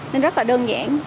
nên rất là đơn giản